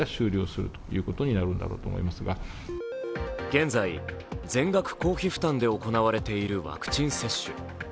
現在、全額公費負担で行われているワクチン接種。